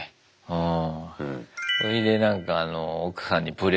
うん。